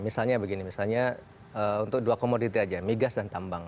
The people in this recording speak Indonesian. misalnya begini misalnya untuk dua komoditi aja migas dan tambang